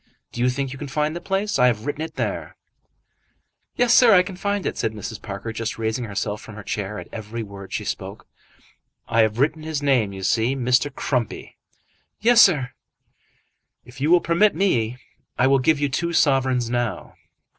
Do you think you can find the place? I have written it there." "Yes, sir, I can find it," said Mrs. Parker, just raising herself from her chair at every word she spoke. "I have written his name, you see. Mr. Crumpy." "Yes, sir." "If you will permit me, I will give you two sovereigns now."